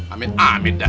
amin amin dah